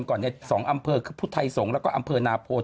ก่อนเนี่ย๒อำเภอคือพุทัยสงฆ์แล้วก็อำเภอนาโพธิ์